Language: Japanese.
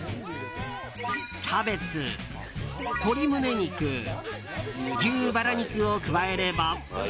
キャベツ、鶏胸肉、牛バラ肉を加えれば。